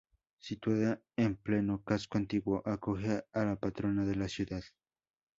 Situada en pleno casco antiguo, acoge a la patrona de la ciudad.